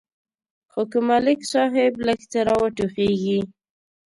خو که ملک صاحب لږ څه را وټوخېږي.